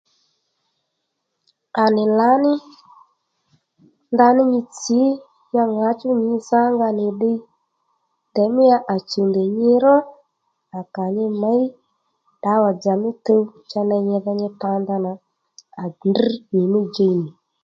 À nì lǎní ndaní nyi tsǐ ya ŋǎchú nyi zánga nì ddiy ndèymí ya à chùw ndèy nyi ró à kà nyi měy ddǎwà djà mí tuw cha ney nyidho nyi pa ndanà à ndŕ nyì mí djiy nì